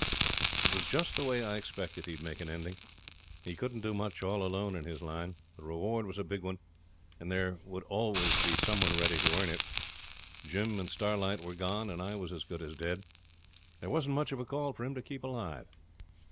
It was just the way I expected he would make an ending. He couldn't do much all alone in his line. The reward was a big one, and there would be always some one ready to earn it. Jim and Starlight were gone, and I was as good as dead. There wasn't much of a call for him to keep alive.